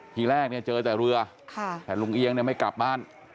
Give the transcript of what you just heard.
ที่แรกเจอแต่เรือแต่ลุงเอียงไม่กลับบ้าน